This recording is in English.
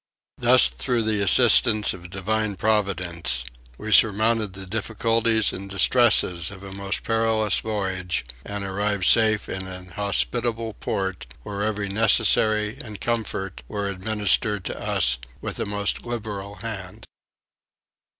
Thus through the assistance of Divine Providence we surmounted the difficulties and distresses of a most perilous voyage and arrived safe in an hospitable port where every necessary and comfort were administered to us with a most liberal hand.